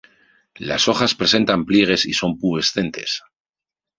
Las hojas presentan pliegues y son pubescentes.